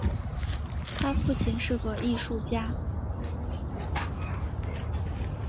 他的父亲是个艺术家。